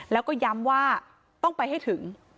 แล้วก็ย้ำว่าต้องไปให้ถึง